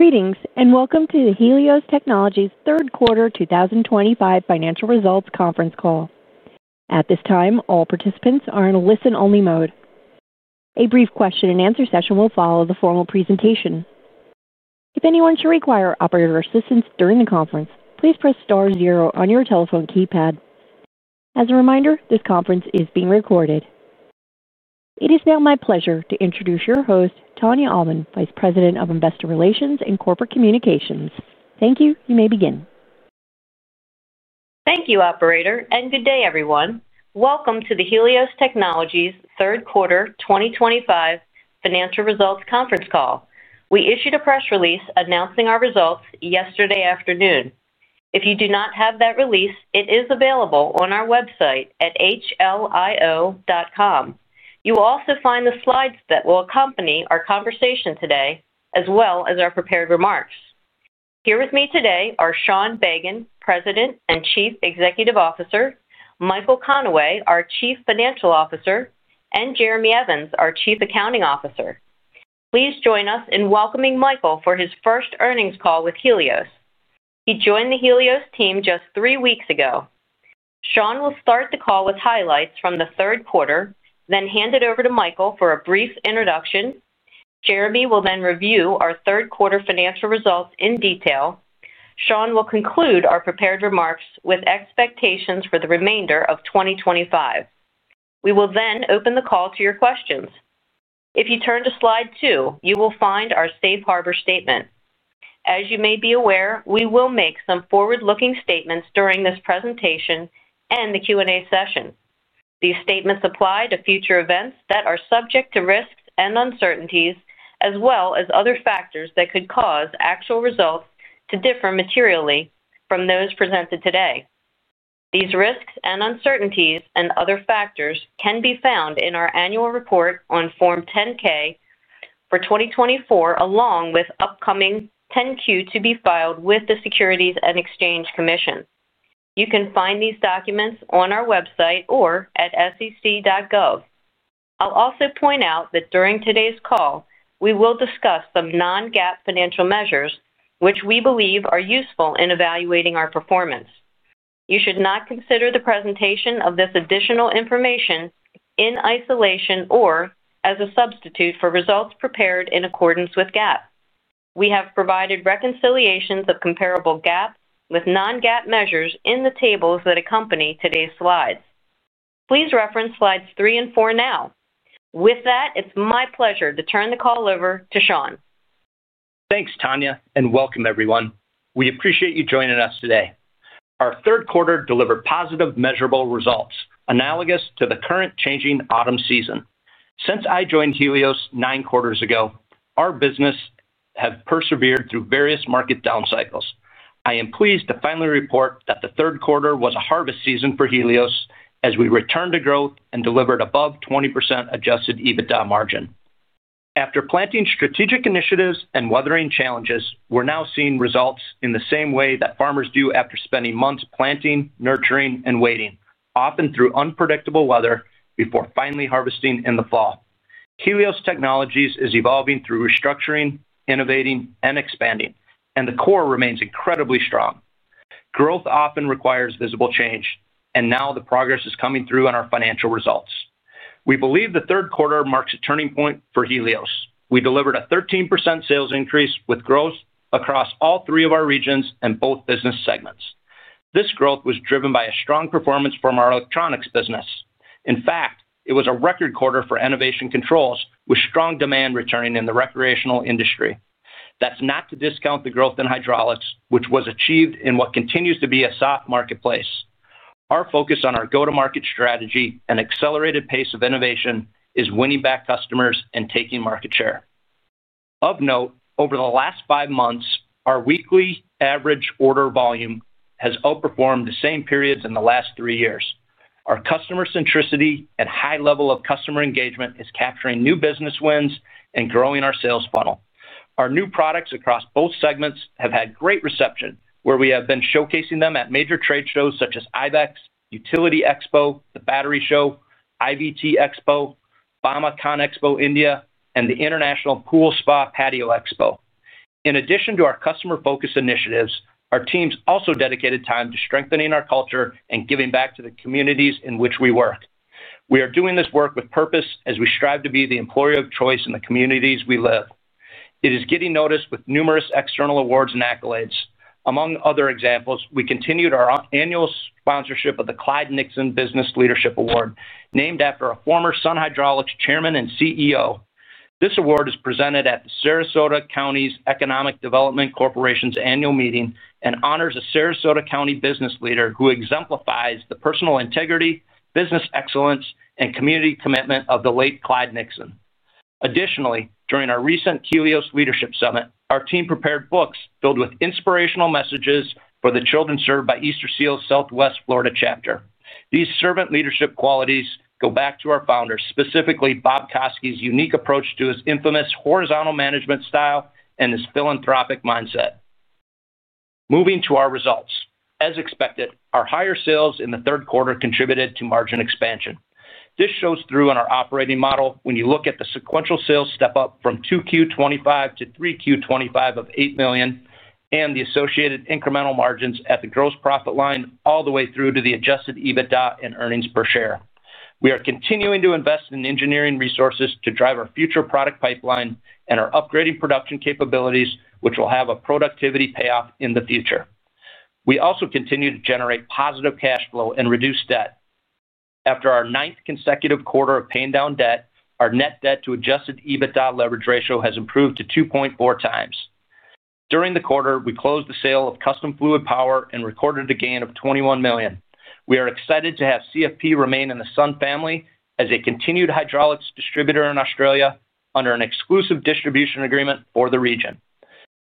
Greetings and welcome to the Helios Technologies Third Quarter 2025 Financial Results Conference Call. At this time, all participants are in a listen-only mode. A brief question-and-answer session will follow the formal presentation. If anyone should require operator assistance during the conference, please press star zero on your telephone keypad. As a reminder, this conference is being recorded. It is now my pleasure to introduce your host, Tania Almond, Vice President of Investor Relations and Corporate Communications. Thank you. You may begin. Thank you, Operator, and good day, everyone. Welcome to the Helios Technologies Third Quarter 2025 Financial Results Conference Call. We issued a press release announcing our results yesterday afternoon. If you do not have that release, it is available on our website at HLIO.com. You will also find the slides that will accompany our conversation today, as well as our prepared remarks. Here with me today are Sean Bagan, President and Chief Executive Officer, Michael Conway, our Chief Financial Officer, and Jeremy Evans, our Chief Accounting Officer. Please join us in welcoming Michael for his first earnings call with Helios. He joined the Helios team just three weeks ago. Sean will start the call with highlights from the third quarter, then hand it over to Michael for a brief introduction. Jeremy will then review our third quarter financial results in detail. Sean will conclude our prepared remarks with expectations for the remainder of 2025. We will then open the call to your questions. If you turn to slide two, you will find our safe harbor statement. As you may be aware, we will make some forward-looking statements during this presentation and the Q&A session. These statements apply to future events that are subject to risks and uncertainties, as well as other factors that could cause actual results to differ materially from those presented today. These risks and uncertainties and other factors can be found in our annual report on Form 10-K for 2024, along with upcoming 10-Q to be filed with the U.S. Securities and Exchange Commission (SEC). You can find these documents on our website or at SEC.gov. I'll also point out that during today's call, we will discuss some non-GAAP financial measures, which we believe are useful in evaluating our performance. You should not consider the presentation of this additional information in isolation or as a substitute for results prepared in accordance with GAAP. We have provided reconciliations of comparable GAAP with non-GAAP measures in the tables that accompany today's slides. Please reference slides three and four now. With that, it's my pleasure to turn the call over to Sean. Thanks, Tania, and welcome, everyone. We appreciate you joining us today. Our third quarter delivered positive, measurable results, analogous to the current changing autumn season. Since I joined Helios nine quarters ago, our business has persevered through various market down cycles. I am pleased to finally report that the third quarter was a harvest season for Helios as we returned to growth and delivered above 20% adjusted EBITDA margin. After planting strategic initiatives and weathering challenges, we're now seeing results in the same way that farmers do after spending months planting, nurturing, and waiting, often through unpredictable weather, before finally harvesting in the fall. Helios Technologies is evolving through restructuring, innovating, and expanding, and the core remains incredibly strong. Growth often requires visible change, and now the progress is coming through in our financial results. We believe the third quarter marks a turning point for Helios. We delivered a 13% sales increase with growth across all three of our regions and both business segments. This growth was driven by a strong performance from our Electronics segments. In fact, it was a record quarter for Innovation Controls, with strong demand returning in the recreational industry. That's not to discount the growth in Hydraulics, which was achieved in what continues to be a soft marketplace. Our focus on our go-to-market strategy and accelerated pace of innovation is winning back customers and taking market share. Of note, over the last five months, our weekly average order volume has outperformed the same periods in the last three years. Our customer centricity and high level of customer engagement is capturing new business wins and growing our sales funnel. Our new products across both segments have had great reception, where we have been showcasing them at major trade shows such as IBEX, Utility Expo, the Battery Show, IBT Expo, BAMACON Expo India, and the International Pool Spa Patio Expo. In addition to our customer-focused initiatives, our teams also dedicated time to strengthening our culture and giving back to the communities in which we work. We are doing this work with purpose as we strive to be the employer of choice in the communities we live. It is getting noticed with numerous external awards and accolades. Among other examples, we continued our annual sponsorship of the Clyde Nixon Business Leadership Award, named after a former Sun Hydraulics Chairman and CEO. This award is presented at the Sarasota County Economic Development Corporation's annual meeting and honors a Sarasota County business leader who exemplifies the personal integrity, business excellence, and community commitment of the late Clyde Nixon. Additionally, during our recent Helios Leadership Summit, our team prepared books filled with inspirational messages for the children served by Easterseals' Southwest Florida chapter. These servant leadership qualities go back to our founder, specifically Bob Koski's unique approach to his infamous horizontal management style and his philanthropic mindset. Moving to our results. As expected, our higher sales in the third quarter contributed to margin expansion. This shows through in our operating model when you look at the sequential sales step-up from 2Q25 to 3Q25 of $8 million and the associated incremental margins at the gross profit line all the way through to the adjusted EBITDA and earnings per share(EPS). We are continuing to invest in engineering resources to drive our future product pipeline and our upgrading production capabilities, which will have a productivity payoff in the future. We also continue to generate positive cash flow and reduce debt. After our ninth consecutive quarter of paying down debt, our net debt to adjusted EBITDA leverage ratio has improved to 2.4x. During the quarter, we closed the sale of Custom Fluidpower and recorded a gain of $21 million. We are excited to have CFP remain in the Sun family as a continued hydraulics distributor in Australia under an exclusive distribution agreement for the region.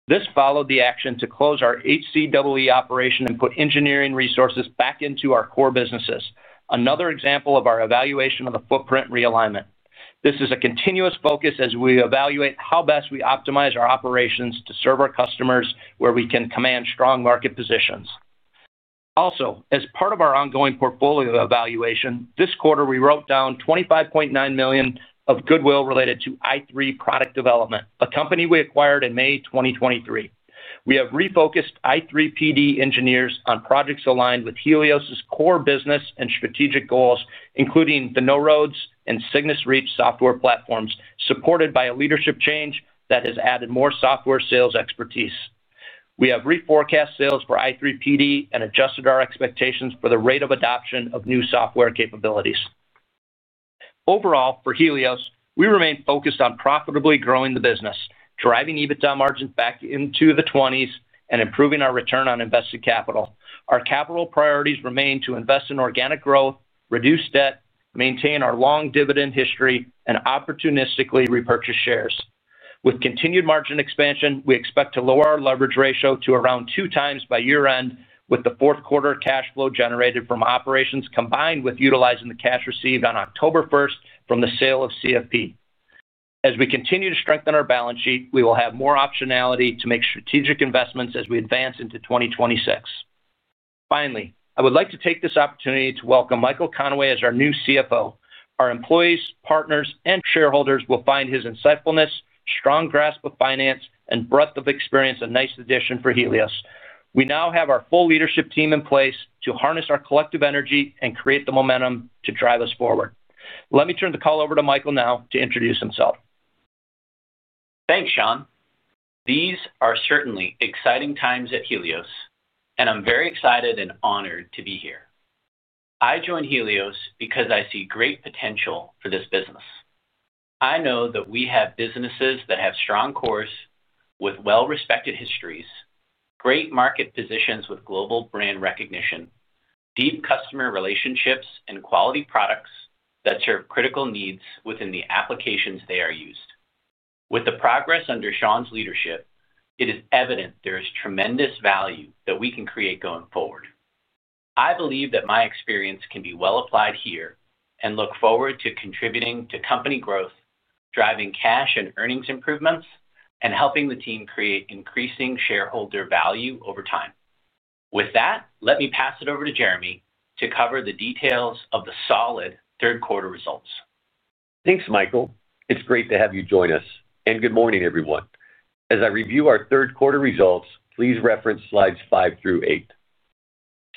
This followed the action to close our HCEE operation and put engineering resources back into our core businesses, another example of our evaluation of the footprint realignment. This remains a continuous focus as we evaluate how best to optimize our operations and serve our customers where we can command strong market positions. As part of our ongoing portfolio evaluation, this quarter we wrote down $25.9 million of goodwill related to i3 Product Development (i3 PD), a company we acquired in May 2023. We have refocused i3 PD engineers on projects aligned with Helios's core business and strategic goals, including the No-Roads and Cygnus Reach software platforms, supported by a leadership change that has added more software sales expertise. We have reforecast sales for i3 PD and adjusted our expectations for the rate of adoption of new software capabilities. Overall, for Helios, we remain focused on profitably growing the business, driving EBITDA margins back into the 20s and improving return on invested capital. Our capital priorities remain investing in organic growth, reducing debt, maintaining our long dividend history, and opportunistically repurchase shares. With continued margin expansion, we expect to lower our leverage ratio to around 2x by year-end, with the fourth quarter cash flow generated from operations combined with utilizing the cash received on October 1st from the sale of Custom Fluidpower (CFP). As we continue to strengthen our balance sheet, we will have more optionality to make strategic investments as we advance into 2026. Finally, I would like to take this opportunity to welcome Michael Conway as our new Cheif Financial Officer (CFO). Our employees, partners, and shareholders will find his insightfulness, strong grasp of finance, and breadth of experience a nice addition for Helios. We now have with our full leadership team in place to harness our collective energy and create the momentum to drive us forward. Let me turn the call over to Michael now to introduce himself. Thanks, Sean. These are truely exciting times at Helios, and I'm very excited and honored to be here. I joined Helios because I see great potential for this business. I know that we have businesses that have strong cores with well-respected histories, great market positions with global brand recognition, deep customer relationships, and quality products that serve critical needs within the applications they are used.. With the progress under Sean's leadership, it is evident there is tremendous value that we can create going forward. I believe that my experience can be well applied here and look forward to contributing to company growth, driving cash and earnings improvements, and helping the team create increasing shareholder value over time. With that, let me pass it over to Jeremy to cover the details of the solid third-quarter results. Thanks, Michael. It's great to have you join us. And good morning, everyone. As I review our third-quarter results, please reference slides five through eight.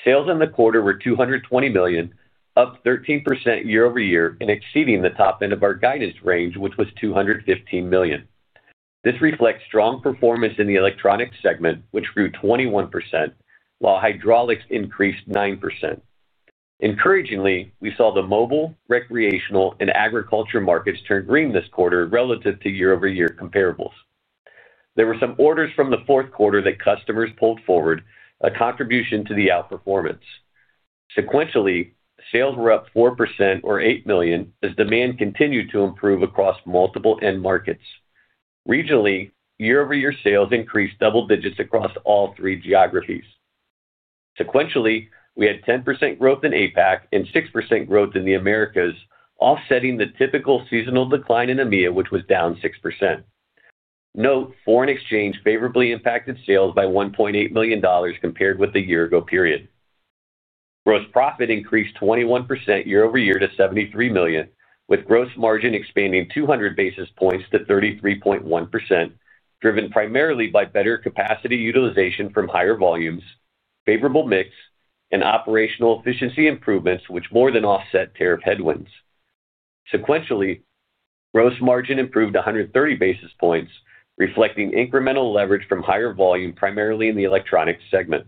Sales in the quarter were $220 million, up 13% year-over-year and exceeding the top end of our guidance range, which was $215 million. This reflects strong performance in the electronics segment, which grew 21%, while hydraulics increased 9%. Encouragingly, we saw the mobile, recreational, and agriculture markets turn green this quarter relative to year-over-year comparables. There were some orders from the fourth quarter that customers pulled forward, a contribution to the outperformance. Sequentially, sales were up 4% or $8 million as demand continued to improve across multiple end markets. Regionally, year-over-year sales increased double digits across all three geographies. Sequentially, we had 10% growth in APAC and 6% growth in the Americas, offsetting the typical seasonal decline in EMEA, which was down 6%. Note that foreign exchange favorably impacted sales by $1.8 million compared with the year-ago period. Gross profit increased 21% year-over-year to $73 million, with gross margin expanding 200 basis points to 33.1%, driven primarily by better capacity utilization from higher volumes, favorable mix, and operational efficiency improvements, which more than offset tariff headwinds. Sequentially, gross margin improved 130 basis points, reflecting incremental leverage from higher volume primarily in the electronics segment.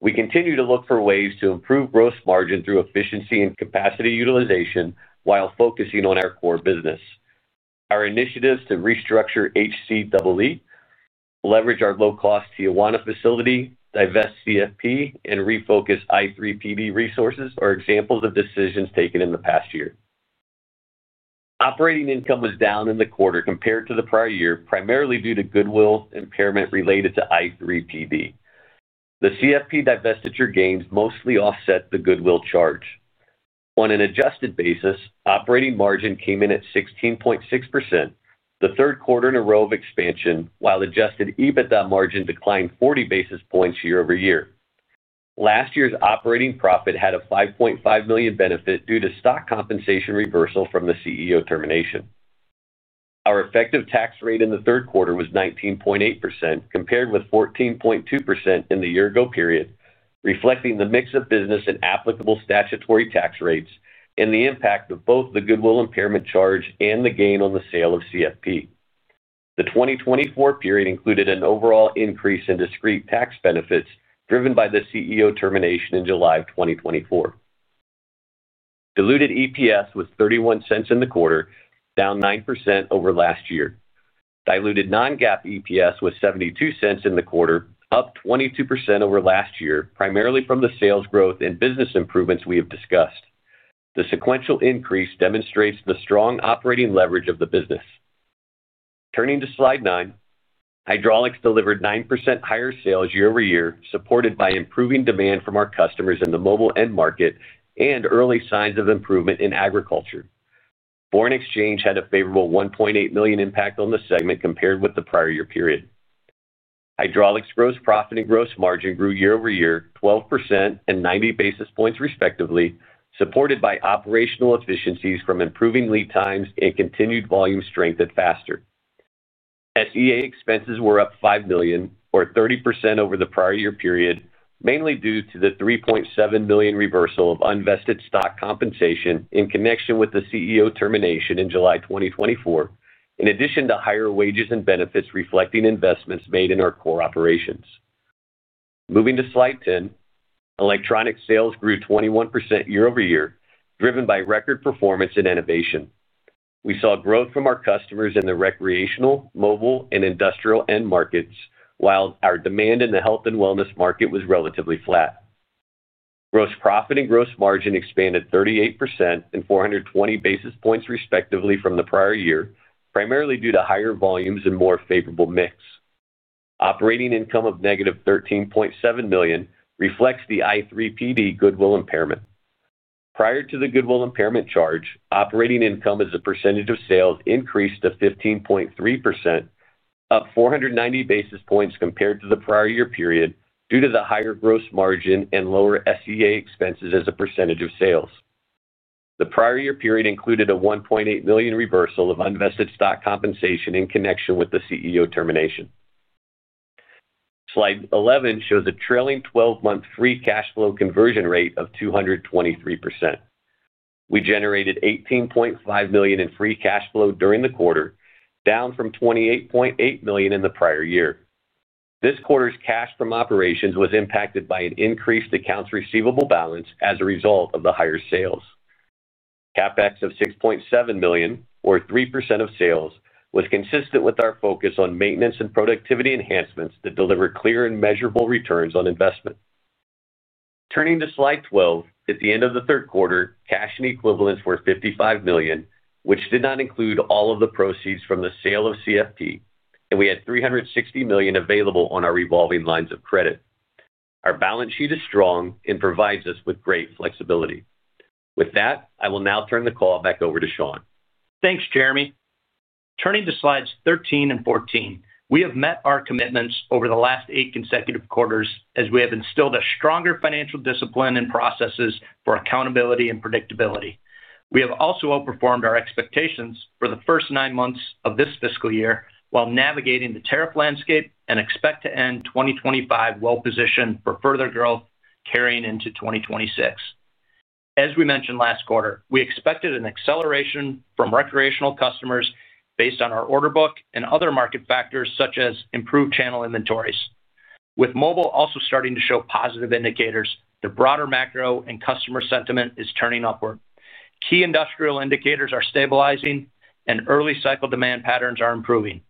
We continue to look for ways to improve gross margin through efficiency and capacity utilization while focusing on our core business. Our initiatives to restructure HCEE, leverage our low-cost Tijuana facility, divest CFP, and refocus i3 PD resources are examples of decisions taken in the past year. Operating income was down in the quarter compared to the prior year, primarily due to goodwill impairment related to i3 PD. The CFP divestiture gains mostly offset the goodwill charge. On an adjusted basis, operating margin came in at 16.6%, the third quarter in a row of expansion, while adjusted EBITDA margin declined 40 basis points year-over-year. Last year's operating profit had a $5.5 million benefit due to stock compensation reversal from the CEO termination. Our effective tax rate in the third quarter was 19.8%, compared with 14.2% in the year-ago period, reflecting the mix of business and applicable statutory tax rates and the impact of both the goodwill impairment charge and the gain on the sale of CFP. The 2024 period included an overall increase in discrete tax benefits driven by the CEO termination in July of 2024. Diluted EPS was $0.31 in the quarter, down 9% over last year. Diluted non-GAAP EPS was $0.72 in the quarter, up 22% over last year, primarily from the sales growth and business improvements we have discussed. The sequential increase demonstrates the strong operating leverage of the business. Turning to slide nine, hydraulics delivered 9% higher sales year-over-year, supported by improving demand from our customers in the mobile end market and early signs of improvement in agriculture. Foreign exchange had a favorable $1.8 million impact on the segment compared with the prior year period. Hydraulics gross profit and gross margin grew year-over-year 12% and 90 basis points respectively, supported by operational efficiencies from improving lead times and continued volume strengthened Faster. SG&A expenses were up $5 million, or 30% over the prior year period, mainly due to the $3.7 million reversal of unvested stock compensation in connection with the CEO termination in July 2024, in addition to higher wages and benefits reflecting investments made in our core operations. Moving to slide 10, electronics sales grew 21% year-over-year, driven by record performance and innovation. We saw growth from our customers in the recreational, mobile, and industrial end markets, while our demand in the health and wellness market was relatively flat. Gross profit and gross margin expanded 38% and 420 basis points respectively from the prior year, primarily due to higher volumes and more favorable mix. Operating income of -$13.7 million reflects the i3 PD goodwill impairment. Prior to the goodwill impairment charge, operating income as a percentage of sales increased to 15.3%, up 490 basis points compared to the prior year period due to the higher gross margin and lower SG&A expenses as a percentage of sales. The prior year period included a $1.8 million reversal of unvested stock compensation in connection with the CEO termination. Slide 11 shows a trailing 12-month free cash flow conversion rate of 223%. We generated $18.5 million in free cash flow during the quarter, down from $28.8 million in the prior year. This quarter's cash from operations was impacted by an increased accounts receivable balance as a result of the higher sales. CapEx of $6.7 million, or 3% of sales, was consistent with our focus on maintenance and productivity enhancements that deliver clear and measurable returns on investment. Turning to slide 12, at the end of the third quarter, cash and equivalents were $55 million, which did not include all of the proceeds from the sale of CFP, and we had $360 million available on our revolving lines of credit. Our balance sheet is strong and provides us with great flexibility. With that, I will now turn the call back over to Sean. Thanks, Jeremy. Turning to slides 13 and 14, we have met our commitments over the last eight consecutive quarters as we have instilled a stronger financial discipline and processes for accountability and predictability. We have also outperformed our expectations for the first nine months of this fiscal year while navigating the tariff landscape and expect to end 2025 well-positioned for further growth carrying into 2026. As we mentioned last quarter, we expected an acceleration from recreational customers based on our order book and other market factors such as improved channel inventories. With mobile also starting to show positive indicators, the broader macro and customer sentiment is turning upward. Key industrial indicators are stabilizing, and early cycle demand patterns are improving,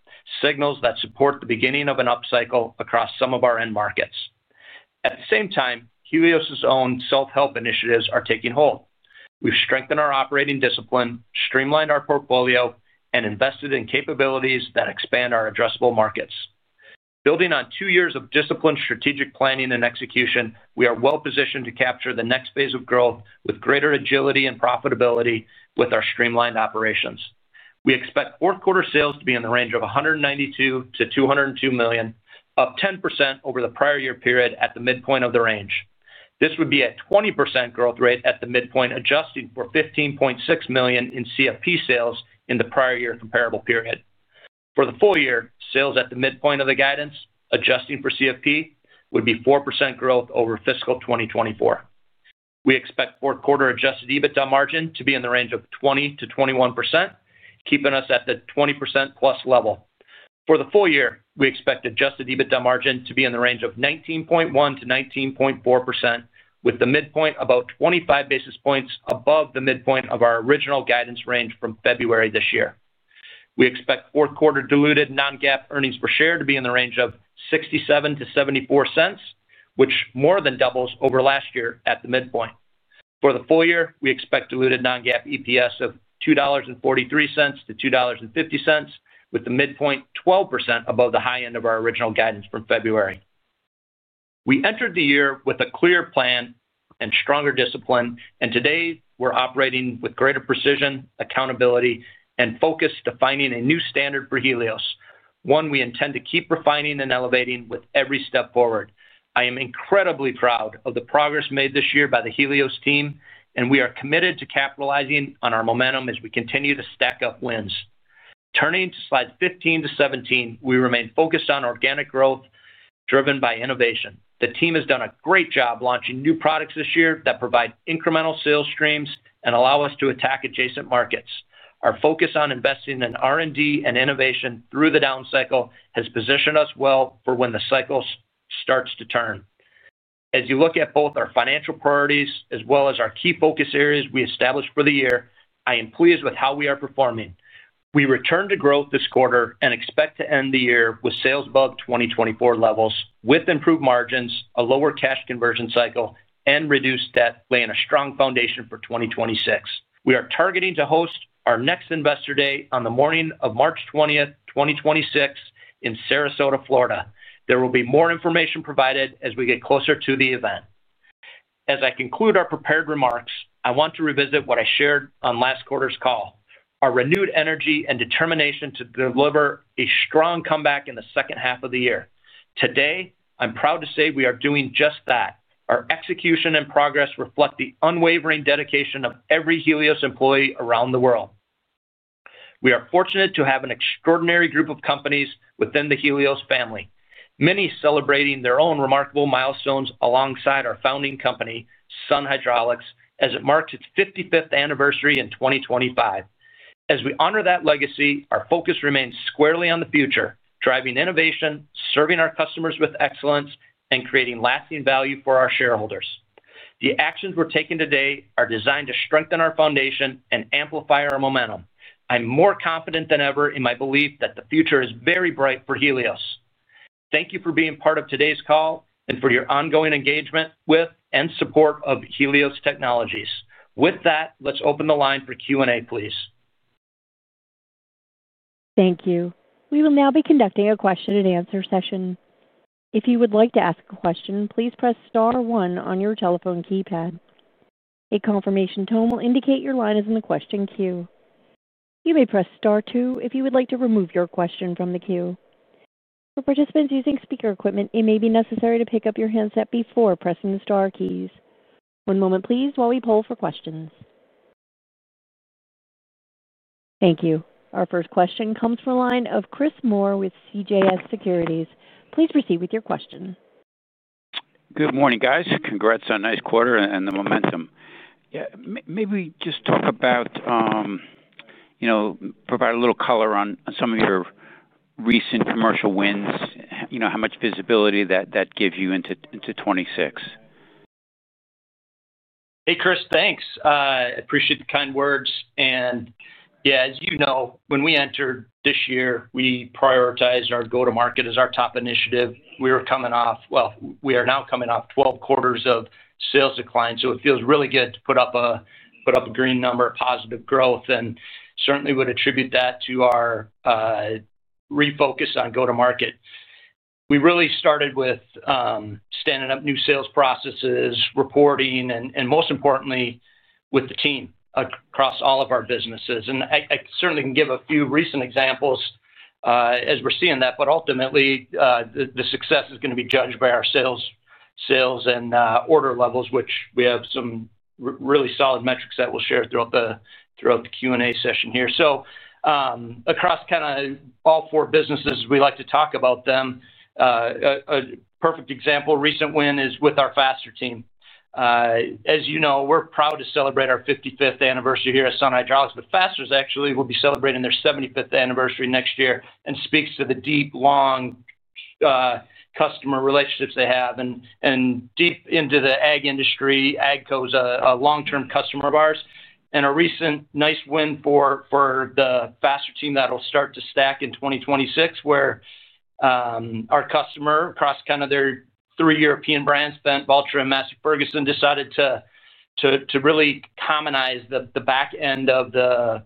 signals that support the beginning of an upcycle across some of our end markets. At the same time, Helios's own self-help initiatives are taking hold. We've strengthened our operating discipline, streamlined our portfolio, and invested in capabilities that expand our addressable markets. Building on two years of disciplined strategic planning and execution, we are well-positioned to capture the next phase of growth with greater agility and profitability with our streamlined operations. We expect fourth-quarter sales to be in the range of $192-$202 million, up 10% over the prior year period at the midpoint of the range. This would be a 20% growth rate at the midpoint, adjusting for $15.6 million in CFP sales in the prior year comparable period. For the full year, sales at the midpoint of the guidance, adjusting for CFP, would be 4% growth over fiscal 2024. We expect fourth-quarter adjusted EBITDA margin to be in the range of 20%-21%, keeping us at the 20%+ level. For the full year, we expect adjusted EBITDA margin to be in the range of 19.1%-19.4%, with the midpoint about 25 basis points above the midpoint of our original guidance range from February this year. We expect fourth-quarter diluted non-GAAP earnings per share to be in the range of $0.67-$0.74, which more than doubles over last year at the midpoint. For the full year, we expect diluted non-GAAP EPS of $2.43-$2.50, with the midpoint 12% above the high end of our original guidance from February. We entered the year with a clear plan and stronger discipline, and today we're operating with greater precision, accountability, and focus defining a new standard for Helios, one we intend to keep refining and elevating with every step forward. I am incredibly proud of the progress made this year by the Helios team, and we are committed to capitalizing on our momentum as we continue to stack up wins. Turning to slides 15 to 17, we remain focused on organic growth driven by innovation. The team has done a great job launching new products this year that provide incremental sales streams and allow us to attack adjacent markets. Our focus on investing in R&D and innovation through the down cycle has positioned us well for when the cycle starts to turn. As you look at both our financial priorities as well as our key focus areas we established for the year, I am pleased with how we are performing. We returned to growth this quarter and expect to end the year with sales above 2024 levels, with improved margins, a lower cash conversion cycle, and reduced debt, laying a strong foundation for 2026. We are targeting to host our next Investor Day on the morning of March 20th, 2026, in Sarasota, Florida. There will be more information provided as we get closer to the event. As I conclude our prepared remarks, I want to revisit what I shared on last quarter's call: our renewed energy and determination to deliver a strong comeback in the second half of the year. Today, I'm proud to say we are doing just that. Our execution and progress reflect the unwavering dedication of every Helios employee around the world. We are fortunate to have an extraordinary group of companies within the Helios family, many celebrating their own remarkable milestones alongside our founding company, Sun Hydraulics, as it marks its 55th anniversary in 2025. As we honor that legacy, our focus remains squarely on the future, driving innovation, serving our customers with excellence, and creating lasting value for our shareholders. The actions we're taking today are designed to strengthen our foundation and amplify our momentum. I'm more confident than ever in my belief that the future is very bright for Helios. Thank you for being part of today's call and for your ongoing engagement with and support of Helios Technologies. With that, let's open the line for Q&A, please. Thank you. We will now be conducting a question-and-answer session. If you would like to ask a question, please press Star 1 on your telephone keypad. A confirmation tone will indicate your line is in the question queue. You may press Star 2 if you would like to remove your question from the queue. For participants using speaker equipment, it may be necessary to pick up your handset before pressing the Star keys. One moment, please, while we poll for questions. Thank you. Our first question comes from a line of Chris Moore with CJS Securities. Please proceed with your question. Good morning, guys. Congrats on nice quarter and the momentum. Yeah, maybe just talk about. Provide a little color on some of your recent commercial wins, how much visibility that gives you into 2026. Hey, Chris, thanks. I appreciate the kind words. And yeah, as you know, when we entered this year, we prioritized our go-to-market as our top initiative. We were coming off—well, we are now coming off 12 quarters of sales decline. So it feels really good to put up a green number, positive growth, and certainly would attribute that to our refocus on go-to-market. We really started with standing up new sales processes, reporting, and most importantly, with the team across all of our businesses. And I certainly can give a few recent examples. As we're seeing that, but ultimately, the success is going to be judged by our sales and order levels, which we have some really solid metrics that we'll share throughout the Q&A session here. So across kind of all four businesses, we like to talk about them. A perfect example, recent win is with our Faster team. As you know, we're proud to celebrate our 55th anniversary here at Sun Hydraulics, but Faster's actually will be celebrating their 75th anniversary next year and speaks to the deep, long customer relationships they have. And deep into the ag industry, AGCO is a long-term customer of ours. And a recent nice win for the Faster team that'll start to stack in 2026, where our customer across kind of their three European brands, Fendt, Valtra, and Massey Ferguson, decided to really commonize the back end of the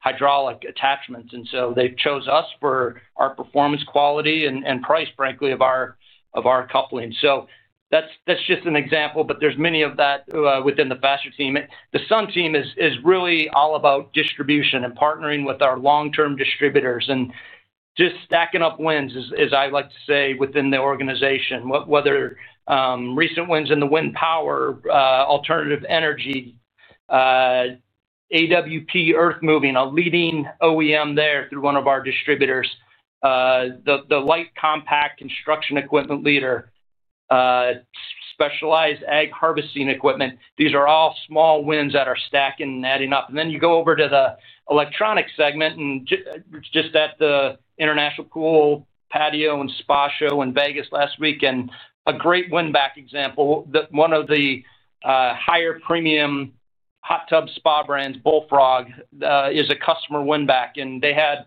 hydraulic attachments. And so they chose us for our performance, quality, and price, frankly, of our coupling. So that's just an example, but there's many of that within the Faster team. The Sun team is really all about distribution and partnering with our long-term distributors. And just stacking up wins, as I like to say, within the organization, whether recent wins in the wind power or alternative energy space. AWP Earth Moving, a leading OEM there, through one of our distributors. The light compact construction equipment leader. Specialized ag harvesting equipment. These are all small wins that are stacking and adding up. And then you go over to the electronics segment and just at the International Pool Spa Patio Expo in Las Vegas last week, and a great win-back example, one of the higher premium hot tub spa brands, Bullfrog, is a customer win-back. And they had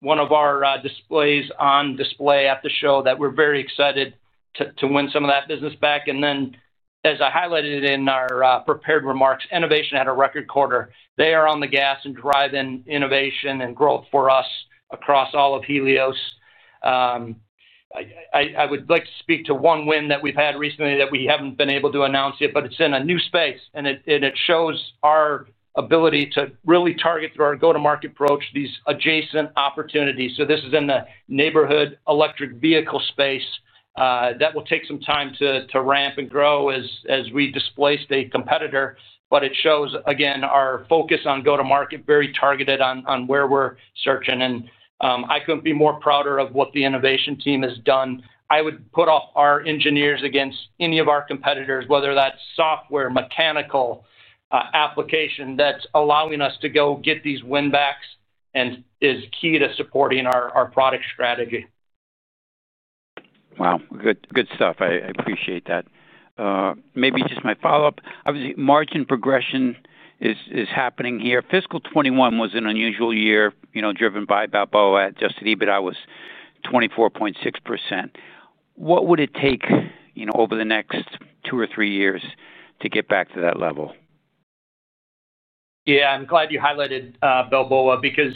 one of our displays on display at the show that we're very excited to win some of that business back. And then, as I highlighted in our prepared remarks, innovation had a record quarter. They are on the gas and driving innovation and growth for us across all of Helios. I would like to speak to one win that we've had recently that we haven't been able to announce yet, but it's in a new space, and it shows our ability to really target through our go-to-market approach these adjacent opportunities. So this is in the neighborhood electric vehicle space. That will take some time to ramp and grow as we displace a competitor, but it shows, again, our focus on go-to-market, very targeted on where we're searching. And I couldn't be more prouder of what the innovation team has done. I would put up our engineers against any of our competitors, whether that's software, mechanical application that's allowing us to go get these win-backs and is key to supporting our product strategy. Wow. Good stuff. I appreciate that. Maybe just my follow-up. I would say margin progression is happening here. Fiscal 2021 was an unusual year driven by Balboa. Adjusted EBITDA was 24.6%. What would it take over the next two or three years to get back to that level? Yeah, I'm glad you highlighted Balboa because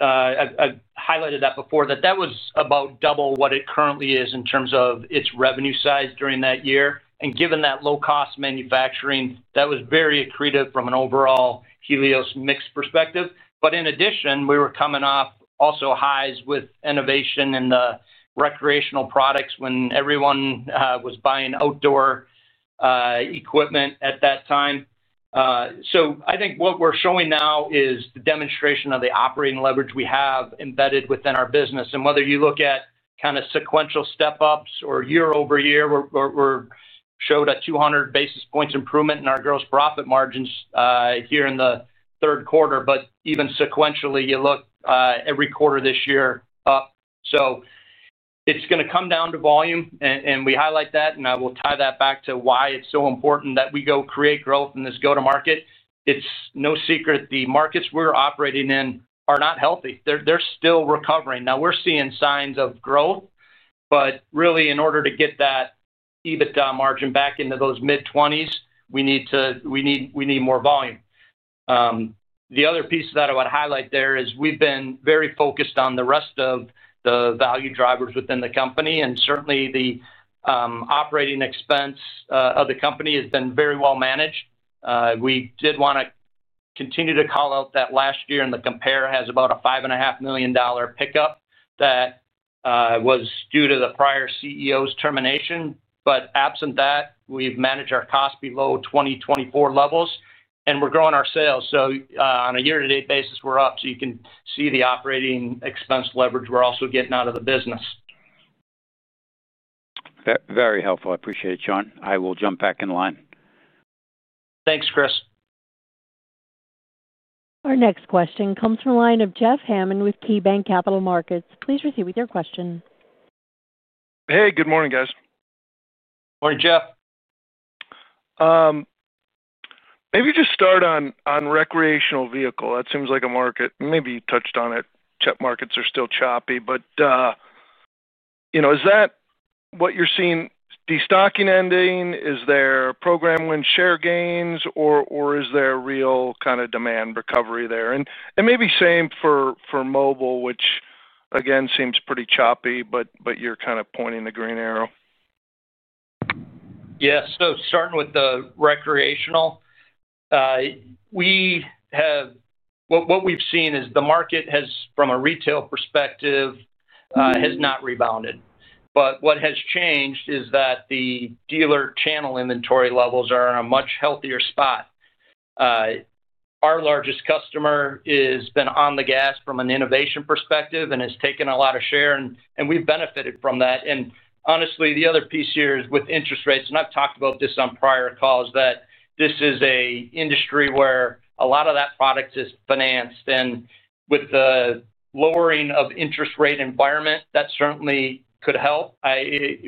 I highlighted that before—that was about double what it currently is in terms of its revenue size during that year. And given that low-cost manufacturing, that was very accretive from an overall Helios mix perspective. But in addition, we were coming off also highs with innovation in the recreational products when everyone was buying outdoor. Equipment at that time. So I think what we're showing now is the demonstration of the operating leverage we have embedded within our business. And whether you look at kind of sequential step-ups or year-over-year, we showed a 200 basis points improvement in our gross profit margins here in the third quarter. But even sequentially, you look every quarter this year up. It's going to come down to volume, and we highlight that, and I will tie that back to why it's so important that we go create growth in this go-to-market. It's no secret the markets we're operating in are not healthy. They're still recovering. Now, we're seeing signs of growth, but really, in order to get that EBITDA margin back into those mid-20s, we need. More volume. The other piece that I would highlight there is we've been very focused on the rest of the value drivers within the company, and certainly the. Operating expense of the company has been very well managed. We did want to continue to call out that last year in the compare has about a $5.5 million pickup that. Was due to the prior CEO's termination. But absent that, we've managed our cost below 2024 levels, and we're growing our sales. So on a year-to-date basis, we're up. So you can see the operating expense leverage we're also getting out of the business. Very helpful. I appreciate it, Sean. I will jump back in line. Thanks, Chris. Our next question comes from a line of Jeff Hammond with KeyBanc Capital Markets. Please proceed with your question. Hey, good morning, guys. Morning, Jeff. Maybe just start on recreational vehicle. That seems like a market. Maybe you touched on it. Rec markets are still choppy, but. Is that what you're seeing? Destocking ending? Program wins, share gains, or is there real kind of demand recovery there? And maybe same for mobile, which, again, seems pretty choppy, but you're kind of pointing the green arrow. Yeah. So, starting with the recreational market, what we've seen is the market, from a retail perspective, has not rebounded. But what has changed is that the dealer channel inventory levels are in a much healthier spot. Our largest customer has been on the gas from an innovation perspective and has taken a lot of share, and we've benefited from that. Honestly, the other piece here is with interest rates, and I've talked about this on prior calls, that this is an industry where a lot of that product is financed. And with the lowering of interest rate environment, that certainly could help.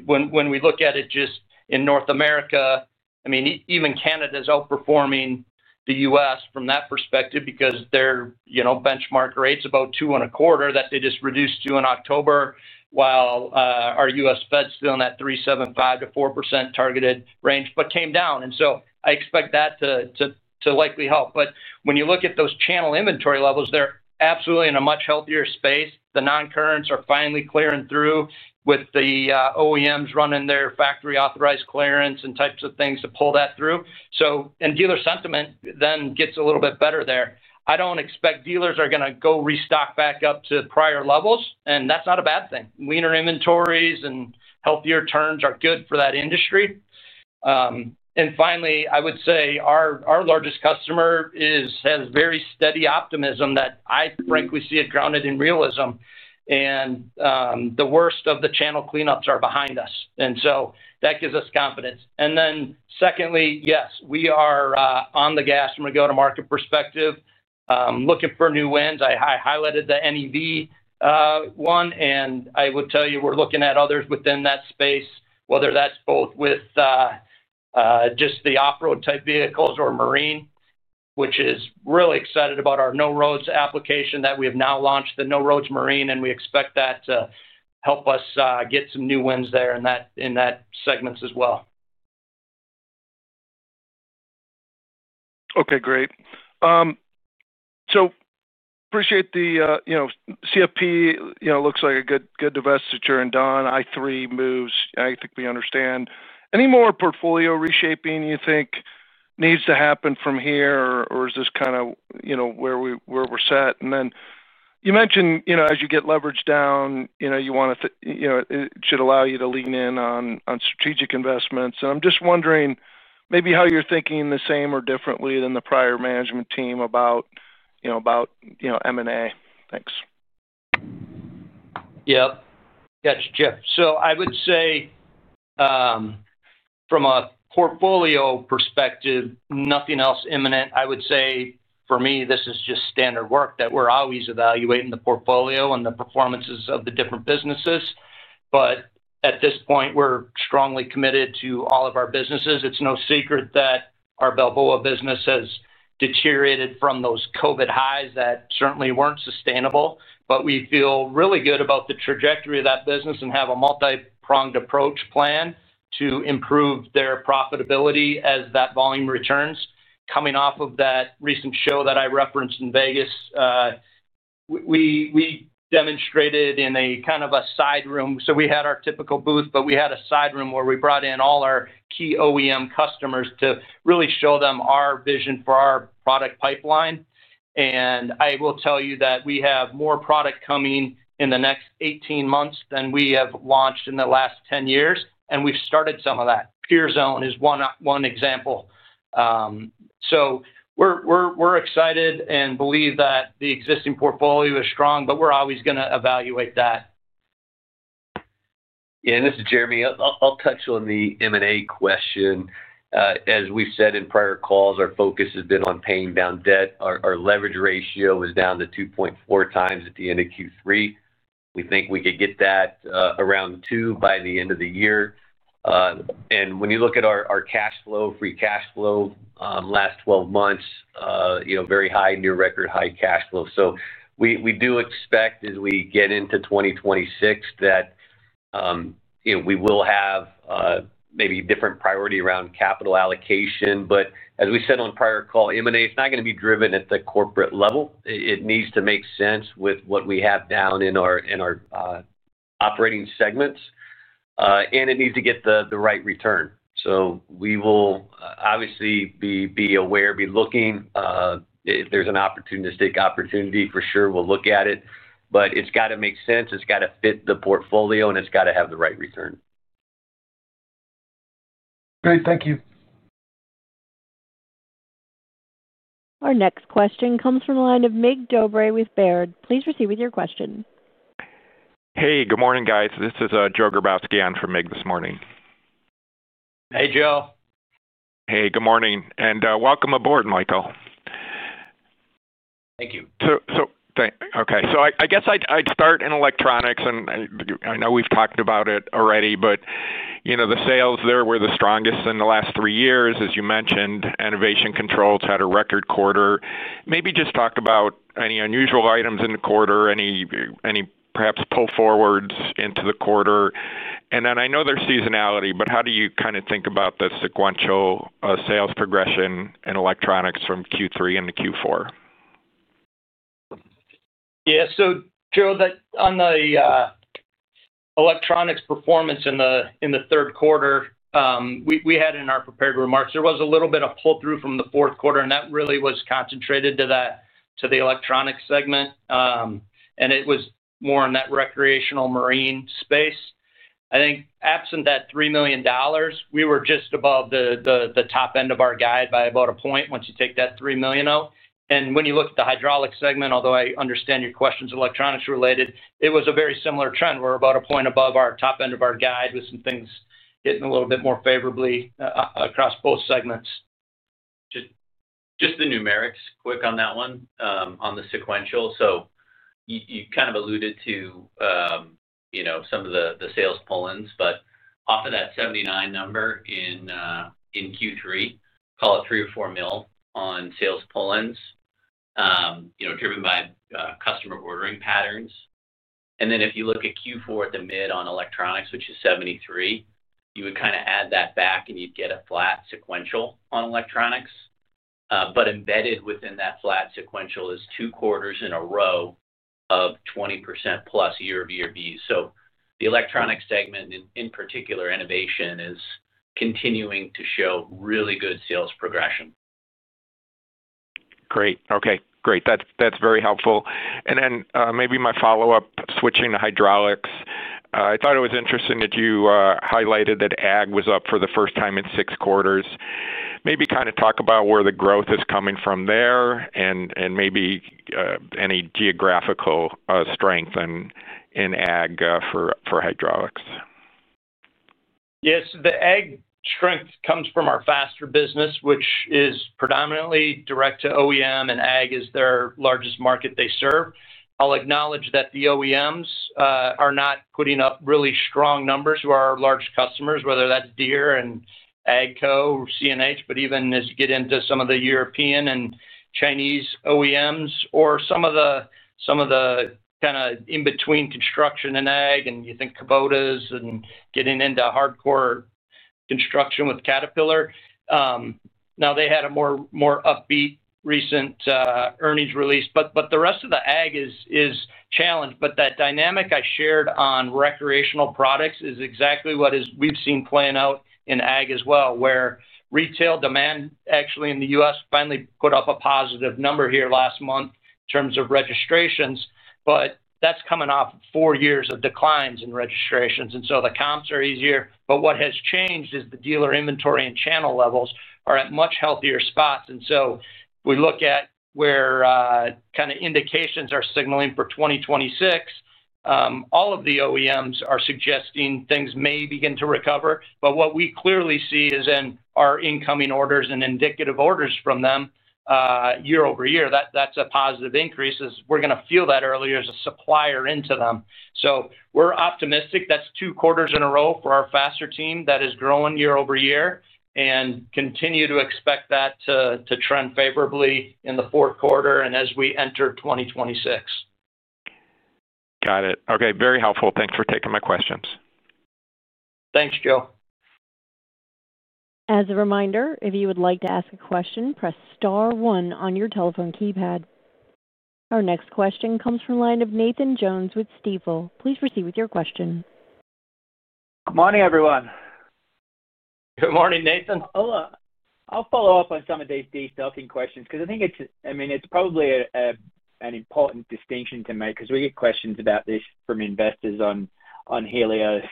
When we look at it just in North America, I mean, even Canada is outperforming the U.S. from that perspective because their benchmark rate's about two and a quarter that they just reduced to in October, while our U.S. Fed's still in that 3.75%-4% targeted range, but came down. And so I expect that to likely help. But when you look at those channel inventory levels, they're absolutely in a much healthier space. The non-currents are finally clearing through with the OEMs running their factory-authorized clearance and types of things to pull that through. And dealer sentiment then gets a little bit better there. I don't expect dealers are going to go restock back up to prior levels, and that's not a bad thing. Leaner inventories and healthier turns are good for that industry. And finally, I would say our largest customer has very steady optimism that I, frankly, see it grounded in realism. And the worst of the channel cleanups are behind us. And so that gives us confidence. And then secondly, yes, we are on the gas from a go-to-market perspective, looking for new wins. I highlighted the NEV one, and I would tell you we're looking at others within that space, whether that's both with just the off-road type vehicles or marine, which is really excited about our No-Roads application that we have now launched—the No-Roads marine, and we expect that to help us get some new wins there in that segment as well. Okay, great. So. Appreciate that. CFP looks like a good divestiture in down under. i3 moves, I think we understand. Any more portfolio reshaping you think needs to happen from here, or is this kind of where we're set? And then you mentioned as you get leverage down, you want to. It should allow you to lean in on strategic investments. And I'm just wondering maybe how you're thinking the same or differently than the prior management team about M&A? Thanks. Yep. Yeah, it's Jeff. So, I would say. From a portfolio perspective, nothing else imminent. I would say, for me, this is just standard work—we're always evaluating the portfolio and the performances of the different businesses. But at this point, we're strongly committed to all of our businesses. It's no secret that our Balboa business has deteriorated from those COVID highs that certainly weren't sustainable, but we feel really good about the trajectory of that business and have a multi-pronged approach plan to improve their profitability as that volume returns. Coming off of that recent show that I referenced in Vegas, we demonstrated in a kind of a side room. So, we had our typical booth, but we had a side room where we brought in all our key OEM customers to really show them our vision for our product pipeline. And I will tell you that we have more product coming in the next 18 months than we have launched in the last 10 years, and we've started some of that. Pear Zone is one example. So, we're excited and believe that the existing portfolio is strong, but we're always going to evaluate that. Yeah, and this is Jeremy. I'll touch on the M&A question. As we've said in prior calls, our focus has been on paying down debt. Our leverage ratio is down to 2.4x at the end of Q3. We think we could get that around 2x by the end of the year. And when you look at our cash flow, free cash flow last 12 months, very high, near record high cash flow. So we do expect, as we get into 2026, that we will have maybe different priority around capital allocation. But as we said on prior call, M&A is not going to be driven at the corporate level. It needs to make sense with what we have down in our operating segments. And it needs to get the right return. So we will obviously be aware, be looking. If there's an opportunistic opportunity, for sure, we'll look at it. But it's got to make sense. It's got to fit the portfolio, and it's got to have the right return. Great. Thank you. Our next question comes from a line of Mircea Dobre with Baird. Please proceed with your question. Hey, good morning, guys. This is Joe Grabowski on for Mircea this morning. Hey, Joe. Hey, good morning and welcome aboard, Michael. Thank you. Okay. So I guess I'd start in electronics, and I know we've talked about it already, but the sales there were the strongest in the last three years, as you mentioned. Innovation Controls had a record quarter. Maybe just talk about any unusual items in the quarter, any, perhaps pull-forwards into the quarter. And then I know there's seasonality, but how do you kind of think about the sequential sales progression in electronics from Q3 into Q4? Yeah. So, Joe, on the electronics performance in the third quarter, we had in our prepared remarks, there was a little bit of pull-through fromQ4, and that really was concentrated to the electronics segment. And it was more in that recreational marine space. I think absent that $3 million, we were just above the top end of our guide by about a point once you take that $3 million out. And when you look at the hydraulics segment, although I understand your question's electronics-related, it was a very similar trend. We're about a point above our top end of our guide with some things getting a little bit more favorably across both segments. Just the numerics, quick on that one, on the sequential. So you kind of alluded to some of the sales pull-ins, but off of that 79 number in Q3, call it $3-4 million on sales pull-ins, driven by customer ordering patterns. And then if you look at Q4 at the midpoint on electronics, which is 73, you would kind of add that back, and you'd get a flat sequential on electronics. Embedded within that flat sequential is two quarters in a row of 20% plus year-over-year growth. So the Electronics segment, in particular, Innovation is continuing to show really good sales progression. Great. Okay. Great. That's very helpful. And then maybe my follow-up, switching to hydraulics. I thought it was interesting that you highlighted that ag was up for the first time in six quarters. Maybe kind of talk about where the growth is coming from there and maybe any geographical strength in ag for hydraulics? Yes. The ag strength comes from our Faster business, which is predominantly direct to OEM, and ag is their largest market they serve. I'll acknowledge that the OEMs are not putting up really strong numbers who are our large customers, whether that's Deere and AGCO, or CNH, but even as you get into some of the European and Chinese OEMs, or some of the kind of in-between construction in ag, and you think Kubota and getting into hardcore construction with Caterpillar. Now, they had a more upbeat recent earnings release, but the rest of the ag is challenged, but that dynamic I shared on recreational products is exactly what we've seen playing out in ag as well, where retail demand actually in the U.S. finally put up a positive number here last month in terms of registrations, but that's coming off four years of declines in registrations, and so the comps are easier, but what has changed is the dealer inventory and channel levels are at much healthier spots, and so if we look at where kind of indications are signaling for 2026. All of the OEMs are suggesting things may begin to recover, but what we clearly see is in our incoming orders and indicative orders from them. Year-over-year, that's a positive increase as we're going to feel that earlier as a supplier into them. So we're optimistic. That's two quarters in a row for our Faster team that is growing year over year and continue to expect that to trend favorably in the fourth quarter and as we enter 2026. Got it. Okay. Very helpful. Thanks for taking my questions. Thanks, Joe. As a reminder, if you would like to ask a question, press star 1 on your telephone keypad. Our next question comes from a line of Nathan Jones with Stifel. Please proceed with your question. Good morning, everyone. Good morning, Nathan. I'll follow up on some of these deep-diving questions because I think it's probably an important distinction to make because we get questions about this from investors on Helios.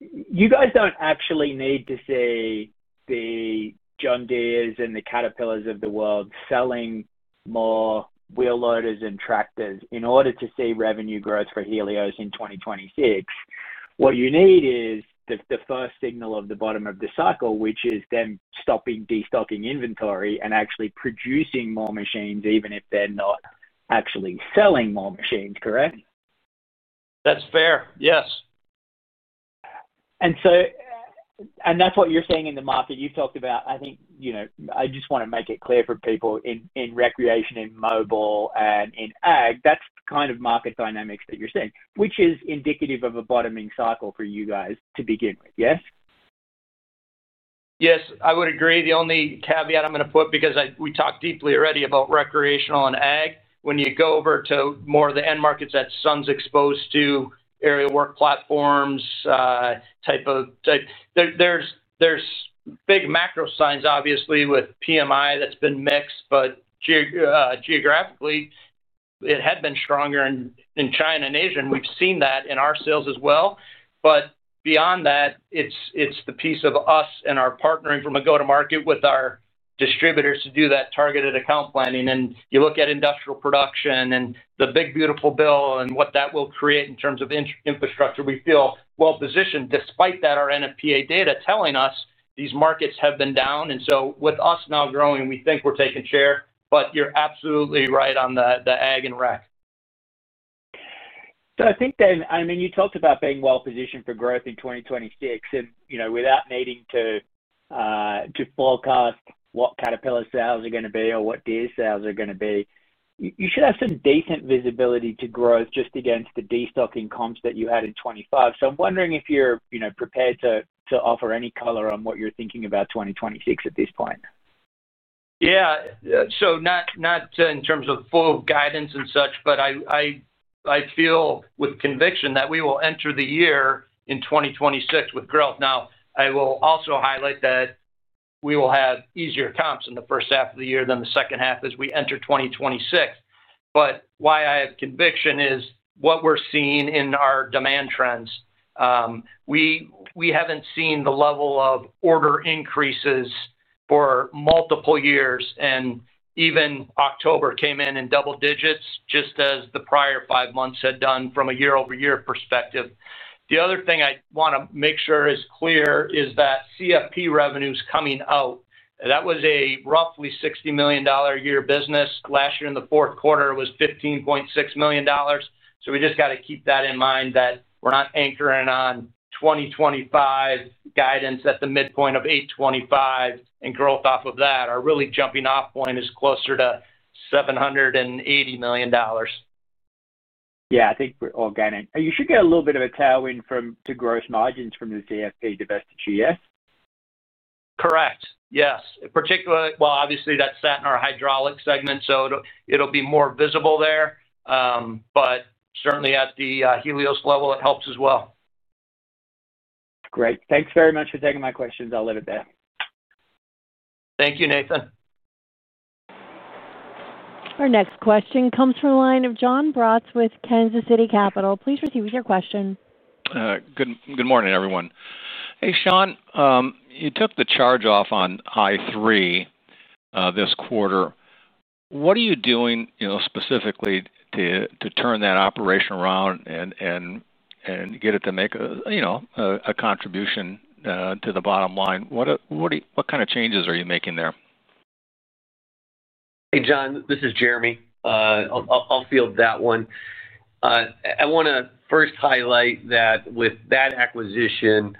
You guys don't actually need to see the John Deere and the Caterpillars of the world selling more wheel loaders and tractors in order to see revenue growth for Helios in 2026. What you need is the first signal of the bottom of the cycle, which is them stopping destocking inventory and actually producing more machines, even if they're not actually selling more machines, correct? That's fair. Yes. That's what you're seeing in the market. You've talked about, I think. I just want to make it clear for people in recreation, in mobile, and in ag, that's the kind of market dynamics that you're seeing, which is indicative of a bottoming cycle for you guys to begin with, yes? Yes. I would agree. The only caveat I’ll put—because we talked deeply already about recreational and ag—when you go over to more of the end markets that Sun is exposed to, like aerial work platforms, macro signs have been mixed with PMI, but geographically, it had been stronger in China and Asia, which we've seen in our sales as well. But beyond that, it's the piece of us and our partnering from a go-to-market with our distributors to do that targeted account planning. And you look at industrial production and the big, beautiful bill and what that will create in terms of infrastructure, we feel well-positioned. Despite that, NFPA data telling us these markets have been down. And so with us now growing, we think we're taking share. But you're absolutely right on the ag and recreational markets. So I think then—you talked about being well-positioned for growth in 2026. And without needing to forecast what Caterpillar sales are going to be or what Deere sales are going to be, you should have some decent visibility to growth just against the destocking comps that you had in 2025. So I'm wondering if you're prepared to offer any color on what you're thinking about 2026 at this point. Yeah. Not in terms of full guidance, but I feel with conviction that we will enter the year in 2026 with growth. Now, I will also highlight that we will have easier comps in the first half of the year than the second half as we enter 2026. But why I have conviction is what we're seeing in our demand trends. We haven't seen the level of order increases for multiple years, and even October came in in double digits, just as the prior five months had done from a year-over-year perspective. The other thing I want to make sure is clear is that CFP revenue is coming out. That was a roughly $60 million/year business. Last year, in the Q4, it was $15.6 million. So we just got to keep that in mind that we're not anchoring on 2025 guidance at the midpoint of 825, and growth off of that, our really jumping-off point is closer to $780 million. Yeah. I think we're all gaining. You should get a little bit of a tailwind from gross margins from the CFP divestiture, yes? Correct. Yes. Well, obviously, that's set in our Hydraulics segment, so it'll be more visible there. But certainly, at the Helios level, it helps as well. Great. Thanks very much for taking my questions. I'll leave it there. Thank you, Nathan. Our next question comes from a line of John Brotz with Kansas City Capital. Please proceed with your question. Good morning, everyone. Hey, Sean. You took the charge-off on i3 this quarter. What are you doing specifically to turn that operation around and get it to make a contribution to the bottom line? What kind of changes are you making there? Hey, John. This is Jeremy. I'll field that one. I want to first highlight that with that acquisition,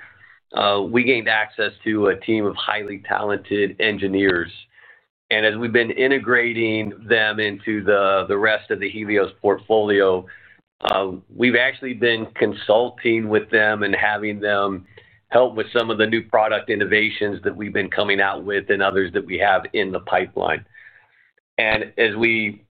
we gained access to a team of highly talented engineers. And as we've been integrating them into the rest of the Helios portfolio, we've actually been consulting with them and having them help with some of the new product innovations that we've been coming out with and others that we have in the pipeline. And as we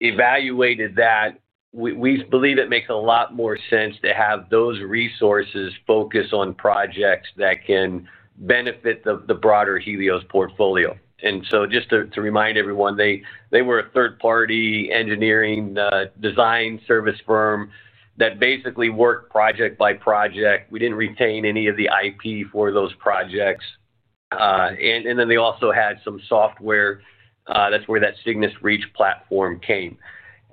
evaluated that, we believe it makes a lot more sense to have those resources focus on projects that can benefit the broader Helios portfolio. And so just to remind everyone, they were a third-party engineering design service firm that basically worked project by project. We didn't retain any of the IP for those projects. And then they also had some software. That's where that Cygnus Reach platform came.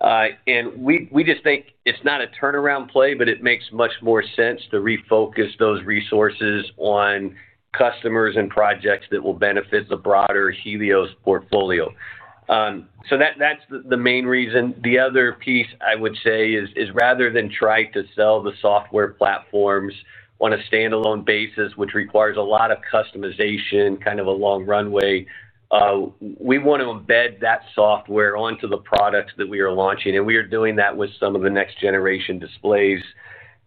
And we just think it's not a turnaround play, but it makes much more sense to refocus those resources on customers and projects that will benefit the broader Helios portfolio. So that's the main reason. The other piece, I would say, is rather than try to sell the software platforms on a standalone basis, which requires a lot of customization, kind of a long runway, we want to embed that software onto the products that we are launching. And we are doing that with some of the next-generation displays,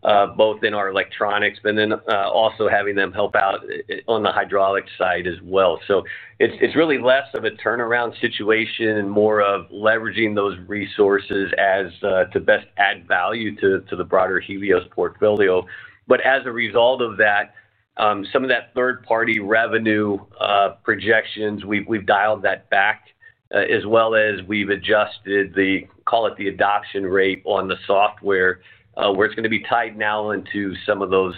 both in our electronics, but then also having them help out on the hydraulic side as well. So it's really less of a turnaround situation and more of leveraging those resources to best add value to the broader Helios portfolio. But as a result of that, some of that third-party revenue projections, we've dialed that back. As well as we've adjusted the, call it the adoption rate on the software, where it's going to be tied now into some of those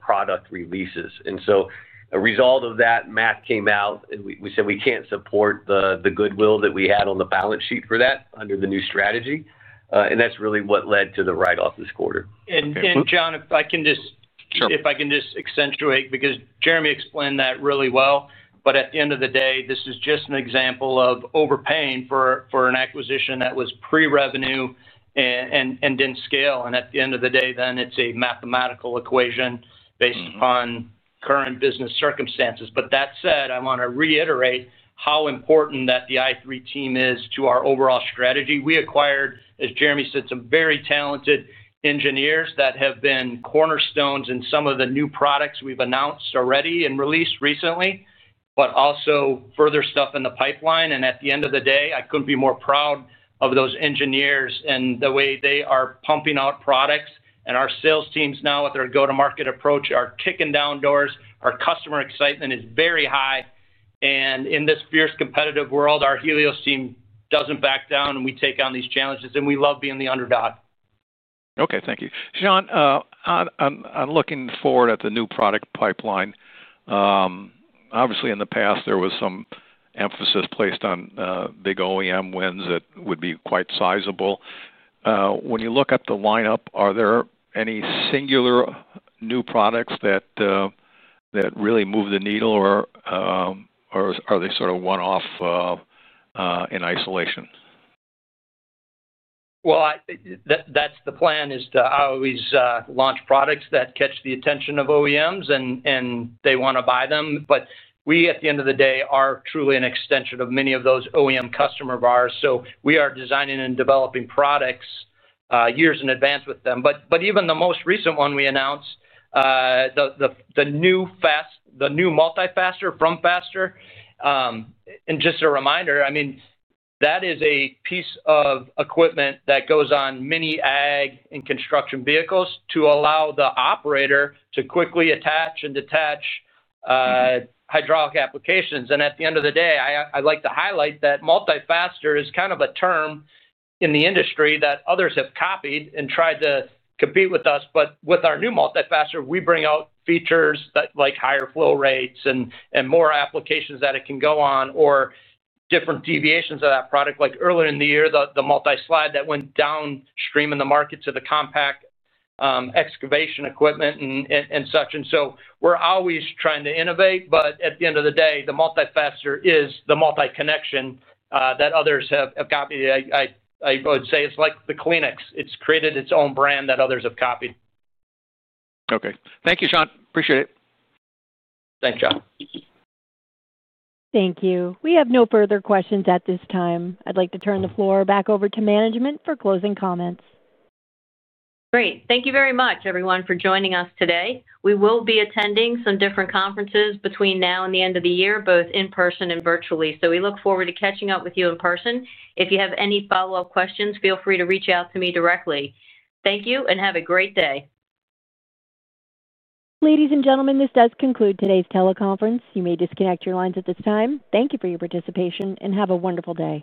product releases. And so as a result of that, the math came out, and we said we can't support the goodwill that we had on the balance sheet for that under the new strategy. And that's really what led to the write-off this quarter. John, if I can just— Sure. If I can just accentuate, because Jeremy explained that really well, but at the end of the day, this is just an example of overpaying for an acquisition that was pre-revenue and didn't scale. And at the end of the day, then it's a mathematical equation based upon current business circumstances. But that said, I want to reiterate how important that the i3 team is to our overall strategy. We acquired, as Jeremy said, some very talented engineers that have been cornerstones in some of the new products we've announced already and released recently, but also further stuff in the pipeline. And at the end of the day, I couldn't be more proud of those engineers and the way they are pumping out products. And our sales teams now, with their go-to-market approach, are kicking down doors. Our customer excitement is very high. And in this fierce competitive world, our Helios team does not back down, and we take on these challenges. And we love being the underdog. Okay. Thank you, Sean. I'm looking forward at the new product pipeline. Obviously, in the past, there was some emphasis placed on big OEM wins that would be quite sizable. When you look at the lineup, are there any singular new products that really move the needle, or are they sort of one-off in isolation? That's the plan, is to always launch products that catch the attention of OEMs, and they want to buy them, but we, at the end of the day, are truly an extension of many of those OEM customer of ours, so we are designing and developing products years in advance with them, but even the most recent one we announced, the new Multi-Faster from Faster. Just a reminder, I mean, that is a piece of equipment that goes on many ag and construction vehicles to allow the operator to quickly attach and detach hydraulic applications, and at the end of the day, I'd like to highlight that Multi-Faster is kind of a term in the industry that others have copied and tried to compete with us, but with our new Multi-Faster, we bring out features like higher flow rates and more applications that it can go on or different deviations of that product. Like earlier in the year, the multi-slide that went downstream in the market to the compact excavation equipment and such, and so we're always trying to innovate, but at the end of the day, the Multi-Faster is the multi-connection that others have copied. I would say it's like the Kleenex. It's created its own brand that others have copied. Okay. Thank you, Sean. Appreciate it. Thanks, John. Thank you. We have no further questions at this time. I'd like to turn the floor back over to management for closing comments. Great. Thank you very much, everyone, for joining us today. We will be attending some different conferences between now and the end of the year, both in person and virtually. So we look forward to catching up with you in person. If you have any follow-up questions, feel free to reach out to me directly. Thank you and have a great day. Ladies and gentlemen, this does conclude today's teleconference. You may disconnect your lines at this time. Thank you for your participation and have a wonderful day.